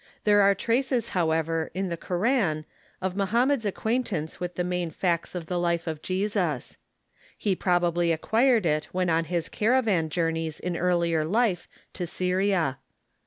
There are traces, however, in the Koran, of Mohammed's acquaintance with the main facts of the life of Jesus. He probably acquired it when on his cara van journeys in earlier life to Syria.